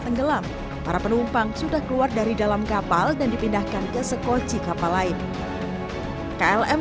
tenggelam para penumpang sudah keluar dari dalam kapal dan dipindahkan ke sekoci kapal lain klm